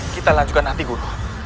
kita lanjutkan nanti guru